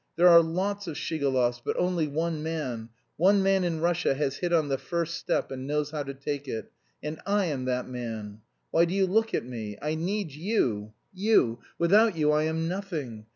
There are lots of Shigalovs, but only one man, one man in Russia has hit on the first step and knows how to take it. And I am that man! Why do you look at me? I need you, you; without you I am nothing.